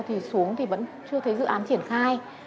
thì xuống vẫn chưa thấy dự án triển khai